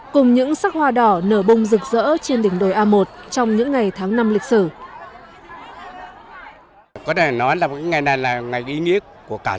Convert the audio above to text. cùng những sắc hoa đỏ nở bông rực rỡ trên đỉnh đồi a một trong những ngày tháng năm lịch sử